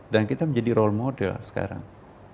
dan kita menjadi role model sekarang